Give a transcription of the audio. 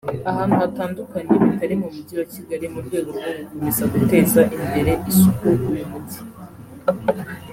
ahantu hatandukanye bitari mu Mujyi wa Kigali mu rwego rwo gukomeza guteza imbere isuku uyu mujyi